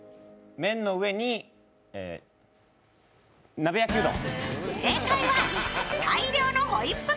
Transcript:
麺の上に鍋焼きうどん。